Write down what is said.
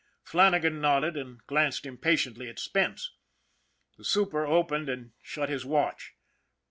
Flannagan nodded, and glanced impatiently at Spence. The super opened and shut his watch.